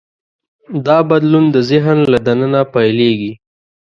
دا بدلون د ذهن له دننه پیلېږي.